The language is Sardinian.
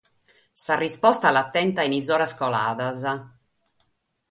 Sa risposta l'at tenta in is oras coladas.